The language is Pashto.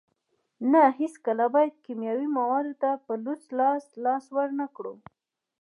نه هیڅکله باید کیمیاوي موادو ته په لوڅ لاس لاس ورنکړو.